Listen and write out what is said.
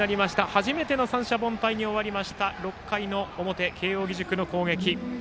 初めての三者凡退に終わりました６回の表、慶応義塾の攻撃。